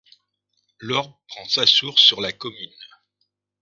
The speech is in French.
L'Orbe prend sa source sur la commune.